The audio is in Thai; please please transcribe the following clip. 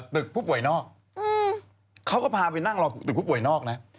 ตึกผู้ป่วยนอกเขาก็พาไปนั่งรอตึกผู้ป่วยนอกนะ